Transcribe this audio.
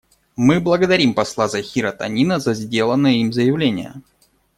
Мы благодарим посла Захира Танина за сделанное им заявление.